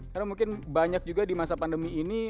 karena mungkin banyak juga di masa pandemi ini